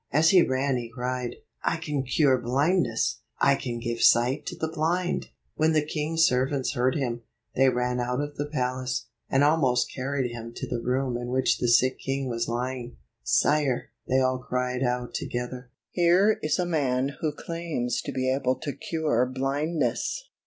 As he ran he cried, " I can cure blindness ! I can give sight to the blind!" When the king's servants heard him, they ran out of the palace, and almost carried him to the room in which the sick king was lying. "Sire," they all cried out together, "here is a man who claims to be able to cure blindness."